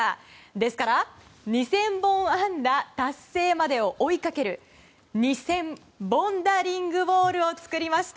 ですから、２０００本安打達成までを追いかける２０００ボンダリングウォールを作りました。